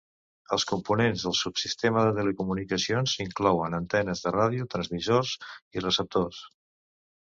Els components del subsistema de telecomunicacions inclouen antenes de ràdio, transmissors i receptors.